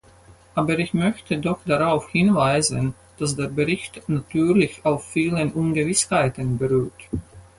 Aber ich möchte doch darauf hinweisen, dass der Bericht natürlich auf vielen Ungewissheiten beruht.